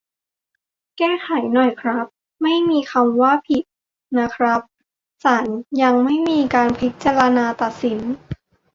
แก้ไขหน่อยครับ ไม่มีคำว่า "ผิด" นะครับ ศาลยังไม่มีการพิจารณาตัดสิน